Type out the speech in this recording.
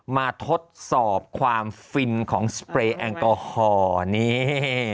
ทดสอบความฟินของสเปรย์แอลกอฮอล์นี่